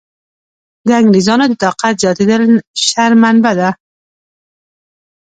د انګرېزانو د طاقت زیاتېدل شر منبع ده.